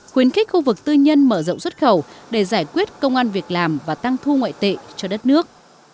khuyến khích khu vực tư nhân mở rộng xuất khẩu để giải quyết công an việc làm và tăng thu ngoại tệ cho đất nước